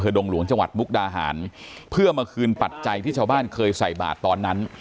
ดงหลวงจังหวัดมุกดาหารเพื่อมาคืนปัจจัยที่ชาวบ้านเคยใส่บาทตอนนั้น